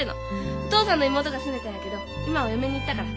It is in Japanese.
お父さんの妹が住んでたんやけど今はお嫁に行ったから。